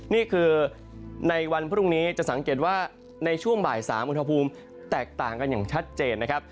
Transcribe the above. นี่คือในวันพรุ่งนี้จะสังเกตว่าในช่วงบ่าย๓อุณหภูมิแตกต่างกันอย่างชัดเจนนะครับ